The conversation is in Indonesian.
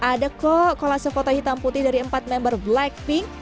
ada kok kolase foto hitam putih dari empat member blackpink